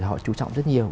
họ chú trọng rất nhiều